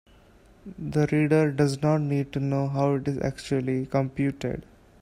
The reader does not need to know how it is actually computed.